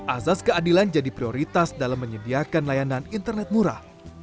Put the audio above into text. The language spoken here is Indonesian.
azas keadilan jadi prioritas dalam menyediakan layanan internet murah